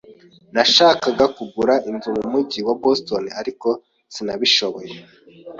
Nashakaga kugura inzu mu mujyi wa Boston, ariko sinabishoboye.